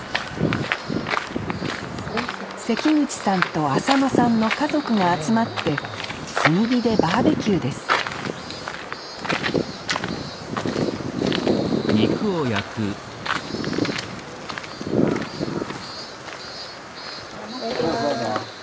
関口さんと浅野さんの家族が集まって炭火でバーベキューですいただきます。